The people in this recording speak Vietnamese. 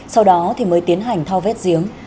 sau đó thì mới tiến hành thao vét giếng